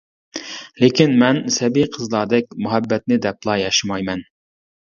لېكىن مەن، سەبىي قىزلاردەك، مۇھەببەتنى دەپلا ياشىمايمەن.